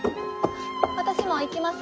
私も行きます。